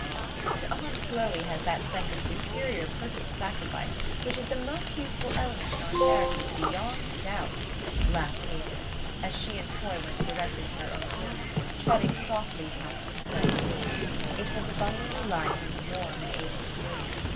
'' But aunt Chloe has that sense of superior per sonal sacrifice, which is the most useful element in our charities, beyond doubt," laughed Avis, as she and Coy went directly to her own room, treading softly past the study door. It was abundantly light and warm in Avis's room.